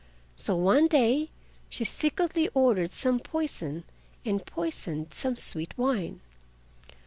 So one day she secretly ordered some poison and poisoned some sweet wine.